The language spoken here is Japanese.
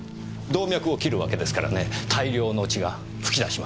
動脈を切るわけですからね大量の血が噴き出します。